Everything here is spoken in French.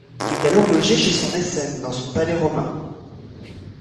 Il est alors logé cgez son mécène dans son palais romain.